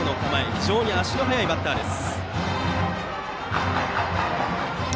非常に足の速いバッターです。